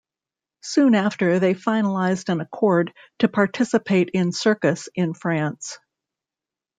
Soon after, they finalized an accord to participate in circus in France.